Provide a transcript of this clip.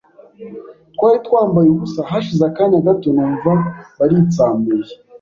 twari twambaye ubusa, hashize akanya gato numva baritsamuye